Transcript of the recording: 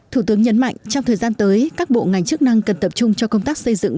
thủ tướng nhấn mạnh trong thời gian tới các bộ ngành chức năng cần tập trung cho công tác xây dựng